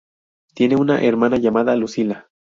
Tiene una hermana llamada Lucila.